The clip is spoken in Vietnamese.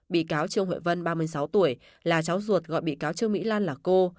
bị cáo trương hội vân ba mươi sáu tuổi là cháu ruột gọi bị cáo trương mỹ lan là cô